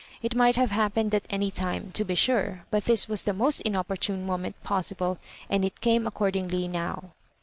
It might have happened at any time, to be sure, but this was the most inopportune moment possible, and it came ac cordingly now.